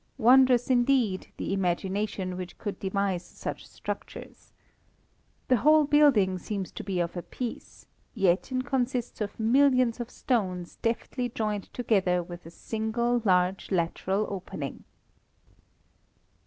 Wondrous, indeed, the imagination which could devise such structures. The whole building seems to be of a piece, yet it consists of millions of stones deftly joined together with a single large lateral opening.